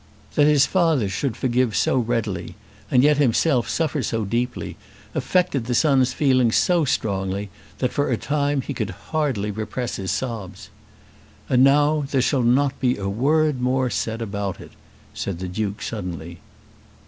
That his father should forgive so readily and yet himself suffer so deeply, affected the son's feelings so strongly that for a time he could hardly repress his sobs. "And now there shall not be a word more said about it," said the Duke suddenly.